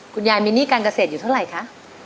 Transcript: คุณยายมีหนี้การเกษตรอยู่เท่าไหร่คะ